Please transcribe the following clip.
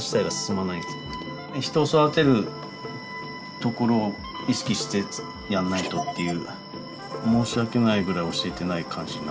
人を育てるところを意識してやんないとっていう申し訳ないぐらい教えてない感じなんで。